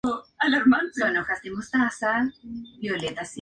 La condición es causada por un aumento de presión en la cavidad oral.